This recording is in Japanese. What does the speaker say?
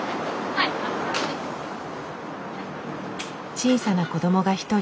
小さな子供が一人。